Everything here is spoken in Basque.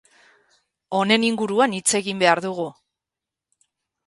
Honen inguruan hitz egin behar dugu.